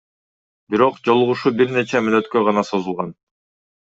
Бирок жолугушуу бир нече мүнөткө гана созулган.